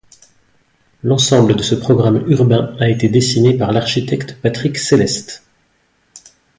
L'ensemble de ce programme urbain a été dessiné par l'architecte Patrick Céleste.